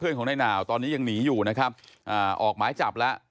ของนายหนาวตอนนี้ยังหนีอยู่นะครับอ่าออกหมายจับแล้ว